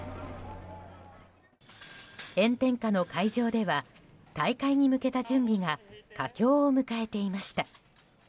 炎天下の会場では大会に向けた準備が佳境を迎えていました。